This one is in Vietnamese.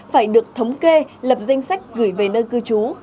phải được thống kê lập danh sách gửi về nơi cư trú